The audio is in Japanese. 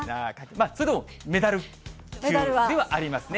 それでもメダル級ではありますね。